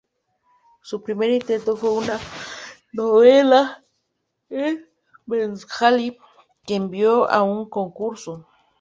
Su primer intento fue una novela en bengalí, que envió a un concurso.